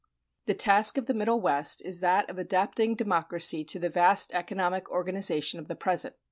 The task of the Middle West is that of adapting democracy to the vast economic organization of the present.